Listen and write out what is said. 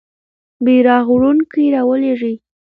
بیرغ وړونکی رالویږي.